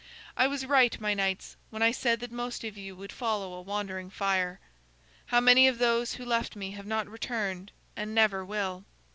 I was right, my knights, when I said that most of you would follow a wandering fire. How many of those who left me have not returned, and never will!"